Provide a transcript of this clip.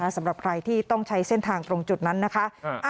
สำหรับใครที่ต้องใช้เส้นทางตรงจุดนั้นนะคะ